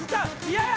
嫌や！